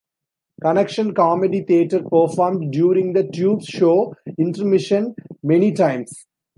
Connection Comedy Theatre performed during the Tubes show intermission many times.